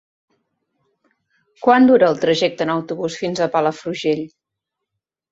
Quant dura el trajecte en autobús fins a Palafrugell?